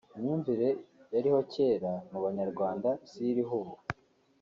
Imyumvire yariho kera mu Banyarwanda siyo iriho ubu